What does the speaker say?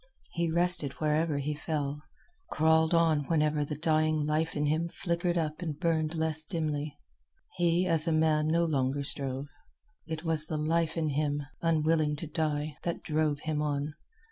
He rested wherever he fell, crawled on whenever the dying life in him flickered up and burned less dimly. He, as a man, no longer strove. It was the life in him, unwilling to die, that drove him on.